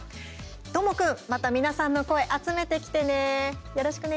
どーもくん、また皆さんの声集めてきてね、よろしくね。